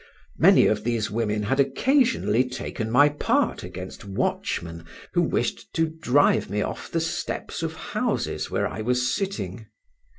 Many of these women had occasionally taken my part against watchmen who wished to drive me off the steps of houses where I was sitting.